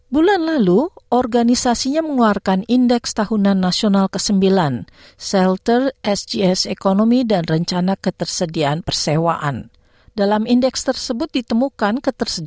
masalah utama yang kita punya adalah faktornya tidak ada banyak perumahan dan itu terjadi ketika covid sembilan belas